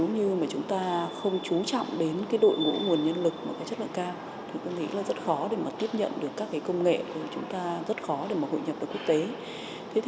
nếu chúng ta không chú trọng đến đội ngũ nguồn nhân lực chất lượng cao tôi nghĩ rất khó để tiếp nhận được các công nghệ rất khó để hội nhập vào quốc tế